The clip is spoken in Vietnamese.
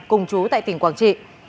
cùng chú tại tỉnh quảng trị